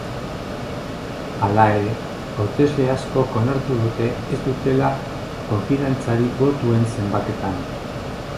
Hala ere, hautesle askok onartu dute ez dutela konfidantzarik botuen zenbaketan.